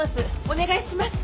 お願いします。